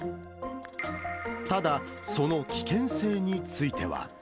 ただ、その危険性については。